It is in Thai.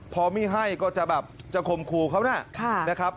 พอไม่ให้ก็จะแบบจะคมครูเขานะครับ